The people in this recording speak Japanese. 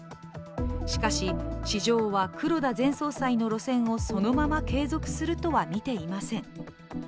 しかし、市場は黒田前総裁の路線をそのまま継続するとは見ていません。